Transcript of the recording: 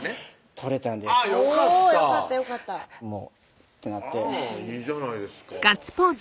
撮れたんですあっよかったおぉよかったよかったもうってなっていいじゃないですか